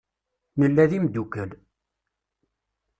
Nella d imdukal.